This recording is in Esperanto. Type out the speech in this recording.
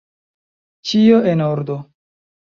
Ĉio, en ordo.